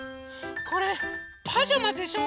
これパジャマでしょ！